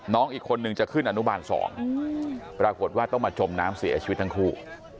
น้องอีกคนนึงจะขึ้นอนุบาล๒ปรากฏว่าต้องมาจมน้ำเสียชีวิตทั้งคู่